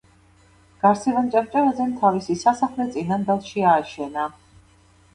გარსევან ჭავჭავაძემ თავისი სასახლე წინანდალში ააშენა.